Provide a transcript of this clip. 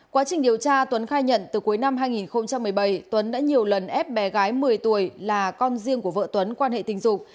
quá trình điều tra tuấn khai nhận từ cuối năm hai nghìn một mươi bảy tuấn đã nhiều lần ép bé gái một mươi tuổi là con riêng của vợ tuấn quan hệ tình dục